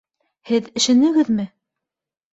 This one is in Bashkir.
Һеҙ өшөнөгөҙмө?